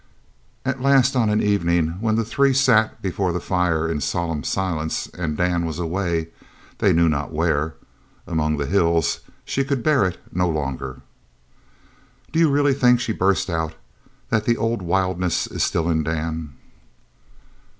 At last on an evening when the three sat before the fire in solemn silence and Dan was away, they knew not where, among the hills, she could bear it no longer. "Do you really think," she burst out, "that the old wildness is still in Dan?"